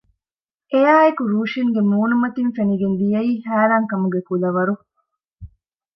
އެއާއެކު ރޫޝިންގެ މޫނުމަތިން ފެނިގެން ދިޔައީ ހައިރާންކަމުގެ ކުލަވަރު